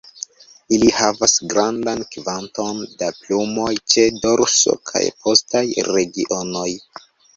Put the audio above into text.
Ili havas grandan kvanton da plumoj ĉe dorso kaj postaj regionoj.